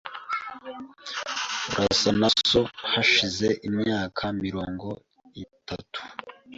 Urasa na so hashize imyaka mirongo itatu .